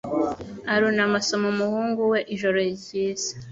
arunama asoma umuhungu we ijoro ryiza